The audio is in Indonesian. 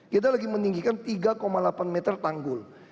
kita lagi meninggikan tiga delapan meter tanggul